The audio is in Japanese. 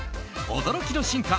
驚きの進化！